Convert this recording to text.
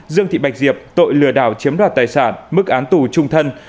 dương thị bạch diệp tội lừa đảo chiếm đoạt tài sản mức án tù trung thân